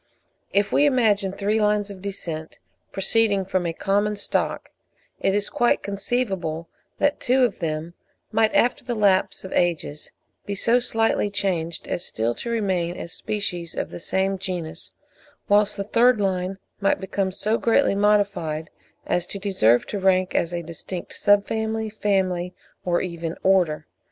If we imagine three lines of descent proceeding from a common stock, it is quite conceivable that two of them might after the lapse of ages be so slightly changed as still to remain as species of the same genus, whilst the third line might become so greatly modified as to deserve to rank as a distinct Sub family, Family, or even Order.